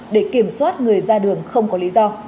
để kiểm soát người ra đường không có lý do